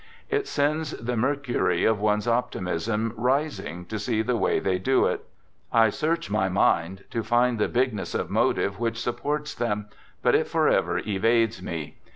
It sends the mercury of one's optimism rising to see the way they do it. I search my mind to find the bigness of motive which supports them, but it forever evades me.